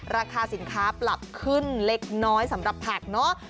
ราคาสินค้าปรับขึ้นเล็กน้อยสำหรับผักเนาะ